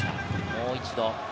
もう一度。